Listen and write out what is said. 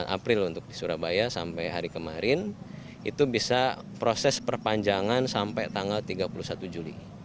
sembilan april untuk di surabaya sampai hari kemarin itu bisa proses perpanjangan sampai tanggal tiga puluh satu juli